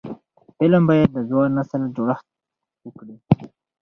فلم باید د ځوان نسل جوړښت وکړي